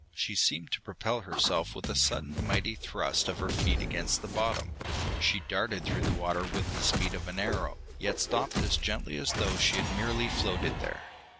She seemed to propel herself with a sudden mighty thrust of her feet against the bottom; she darted through the water with the speed of an arrow, yet stopped as gently as though she had merely floated there.